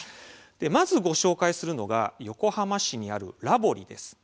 まずご紹介するのが横浜市にある「Ｌａｖｏｒｉ」です。